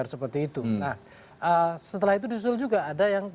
setelah itu diusul juga ada yang